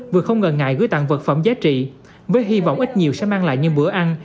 vừa không ngờ ngại gửi tặng vật phẩm giá trị với hy vọng ít nhiều sẽ mang lại những bữa ăn